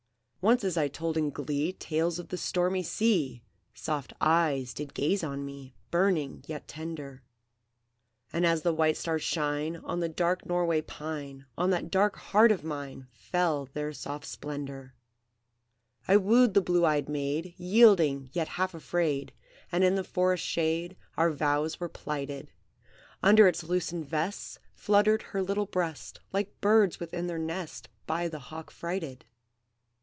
"Once as I told in glee Tales of the stormy sea, Soft eyes did gaze on me, Burning yet tender; And as the white stars shine On the dark Norway pine, On that dark heart of mine Fell their soft splendour. "I wooed the blue eyed maid, Yielding, yet half afraid, And in the forest's shade Our vows were plighted. Under its loosened vest Fluttered her little breast, Like birds within their nest By the hawk frighted.